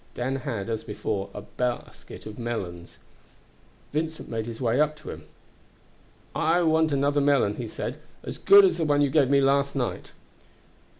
Dan had, as before, a basket of melons. Vincent made his way up to him. "I want another melon," he said, "as good as that you me last night."